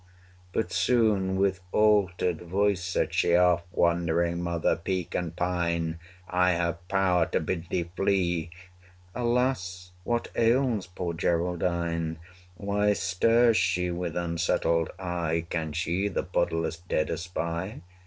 But soon with altered voice, said she 'Off, wandering mother! Peak and pine! 205 I have power to bid thee flee.' Alas! what ails poor Geraldine? Why stares she with unsettled eye? Can she the bodiless dead espy?